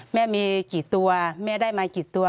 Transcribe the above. แม่มีกี่ตัวแม่ได้มากี่ตัว